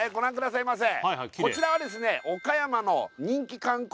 こちらはですね岡山の人気観光